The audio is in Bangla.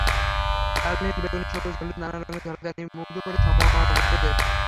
লাল, নীল, বেগুনি, সবুজ, হলুদ নানা রঙের ঝলকানি মুগ্ধ করে সমাগতদের।